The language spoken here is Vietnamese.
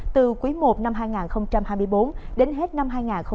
từ quý i năm hai nghìn hai mươi bốn đến hết năm hai nghìn hai mươi bốn